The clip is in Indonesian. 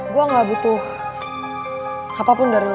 gue gak butuh apapun dari lo